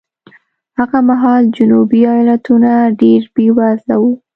هغه مهال جنوبي ایالتونه ډېر بېوزله وو.